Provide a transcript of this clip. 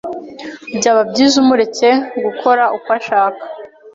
Byaba byiza umuretse gukora uko ashaka.